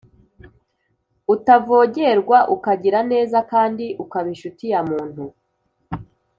utavogerwa, ukagira neza kandi ukaba incuti ya muntu,